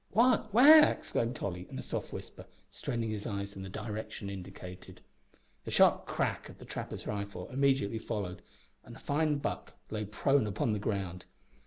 "What? Where?" exclaimed Tolly, in a soft whisper, straining his eyes in the direction indicated. The sharp crack of the trapper's rifle immediately followed, and a fine buck lay prone upon the ground.